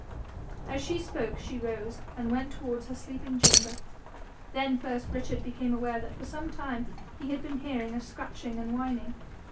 As she spoke she rose, and went towards her sleeping chamber. Then first Richard became aware that for some time he had been hearing a scratching and whining.